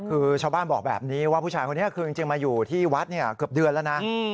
คือชาวบ้านบอกแบบนี้ว่าผู้ชายคนนี้คือจริงมาอยู่ที่วัดเนี่ยเกือบเดือนแล้วนะ